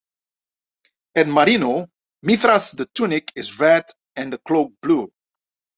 At Marino, Mithras' the tunic is red and the cloak blue.